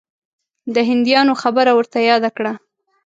د هندیانو خبره ورته یاده کړه.